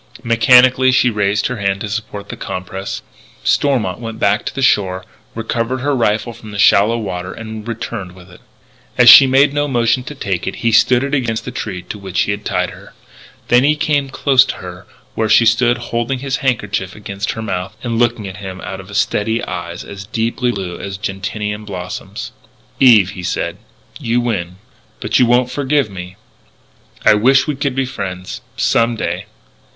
Mechanically she raised her hand to support the compress. Stormont went back to the shore, recovered her rifle from the shallow water, and returned with it. As she made no motion to take it, he stood it against the tree to which he had tied her. Then he came close to her where she stood holding his handkerchief against her mouth and looking at him out of steady eyes as deeply blue as gentian blossoms. "Eve," he said, "you win. But you won't forgive me.... I wish we could be friends, some day....